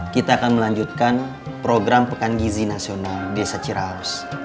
kita akan melanjutkan program pekan gizi nasional desa ciraos